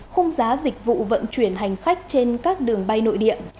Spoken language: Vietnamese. không giá dịch vụ vận chuyển hành khách trên các đường bay nội điện